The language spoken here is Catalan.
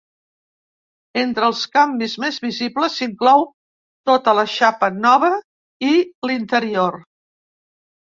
Entre els canvis més visibles s'inclou tota la xapa nova i l'interior.